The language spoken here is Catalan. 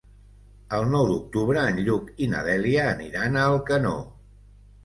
El nou d'octubre en Lluc i na Dèlia aniran a Alcanó.